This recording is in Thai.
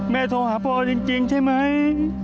โทรหาพ่อจริงใช่ไหม